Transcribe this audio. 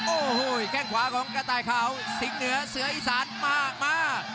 โอ้โหแข้งขวาของกระต่ายขาวสิงเหนือเสืออีสานมามา